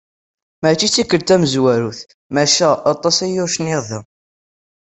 Mačči d tikkelt tamezwarut, maca aṭas-aya ur cniɣ da.